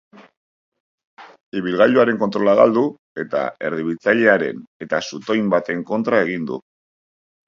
Ibilgailuaren kontrola galdu eta erdibitzailearen eta zutoin baten kontra egin du.